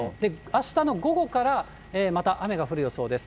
あしたの午後から、また雨が降る予想です。